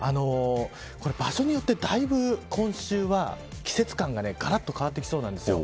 場所によって今週は季節感ががらっと変わってきそうです。